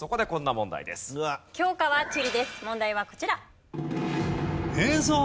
問題はこちら。